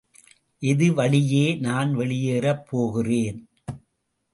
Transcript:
எது வழியே நான் வெளியேறப் போகிறேன்.